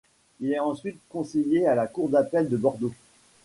Il est ensuite conseiller à la cour d'appel de Bordeaux.